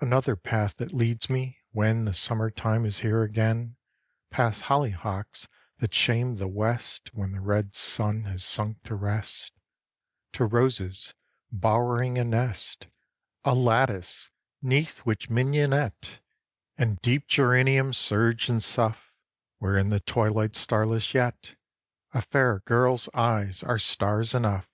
Another path that leads me, when The summer time is here again, Past hollyhocks that shame the west When the red sun has sunk to rest; To roses bowering a nest, A lattice, 'neath which mignonette And deep geraniums surge and sough, Where, in the twilight, starless yet, A fair girl's eyes are stars enough.